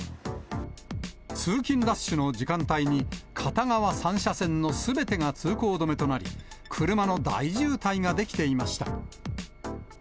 通勤ラッシュの時間帯に、片側３車線のすべてが通行止めとなり、車の大渋滞が出来ていました。